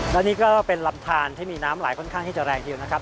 และนี่ก็เป็นลำทานที่มีน้ำไหลค่อนข้างที่จะแรงทีเดียวนะครับ